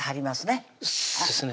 そうですね